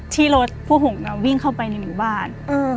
ที่รถผู้หุงวิ่งเข้าไปหมู่บ้าน